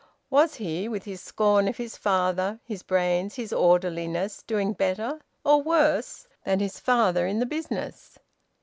Was he, with his scorn of his father, his brains, his orderliness, doing better or worse than his father in the business?